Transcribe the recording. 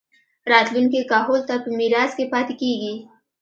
راتلونکي کهول ته پۀ ميراث کښې پاتې کيږي